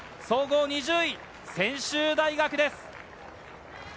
総合２０位、専修大学です。